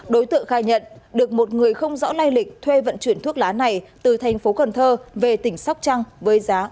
đối tượng khai nhận được một người không rõ lai lịch thuê vận chuyển thuốc lá này từ thành phố cần thơ về tỉnh sóc trăng với giá bốn trăm linh đồng